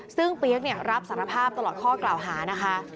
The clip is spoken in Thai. ซึ่งเปี๊ยกรับสารภาพตลอดข้อกล่าวหานะคะ